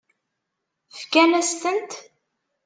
Fkan-as-tent?